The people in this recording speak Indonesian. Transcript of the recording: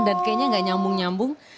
dan kayaknya gak nyambung nyambung